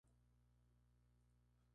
Barcelona, quedando subcampeón del torneo.